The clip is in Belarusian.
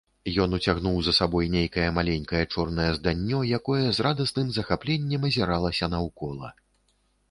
Ён уцягнуў за сабой нейкае маленькае чорнае зданнё, якое з радасным захапленнем азіралася наўкола.